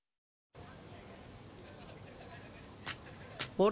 あれ？